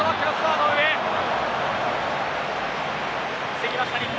防ぎました日本。